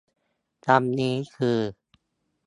คำนี้คือ